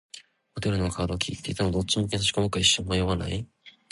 ホテルのカードキーって、いつもどっち向きに差し込むか一瞬迷わない？